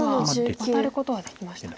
ワタることはできましたか。